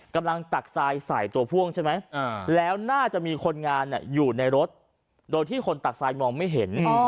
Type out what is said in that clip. ตักทรายใส่ตัวพ่วงใช่ไหมแล้วน่าจะมีคนงานอยู่ในรถโดยที่คนตักทรายมองไม่เห็น